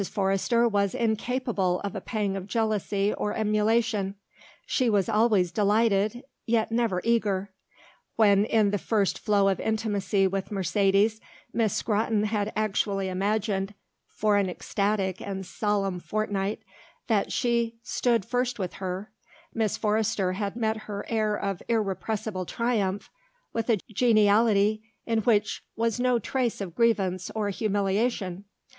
Forrester was incapable of a pang of jealousy or emulation; she was always delighted yet never eager. When, in the first flow of intimacy with Mercedes, Miss Scrotton had actually imagined, for an ecstatic and solemn fortnight, that she stood first with her, Mrs. Forrester had met her air of irrepressible triumph with a geniality in which was no trace of grievance or humiliation.